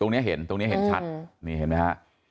ตรงนี้เห็นตรงนี้เห็นชัด